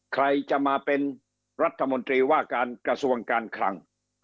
ใครจะมาเป็นรัฐมนตรีว่าการกระทรวงการคลัง